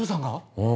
うん。